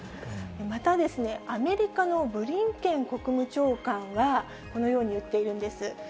またアメリカのブリンケン国務長官は、このように言っているんです。